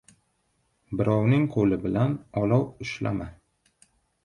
• Birovning qo‘li bilan olov ushlama.